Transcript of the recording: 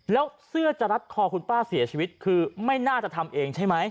แล้วเสื้อจะรัดคอคุณป้าเสียชีวิตคือไม่น่าจะทำเองใช่ไหม